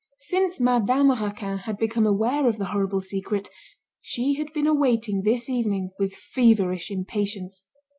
Since Madame Raquin had become aware of the horrible secret, she had been awaiting this evening with feverish impatience.